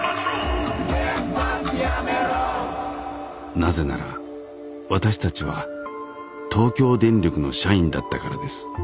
なぜなら私たちは東京電力の社員だったからです。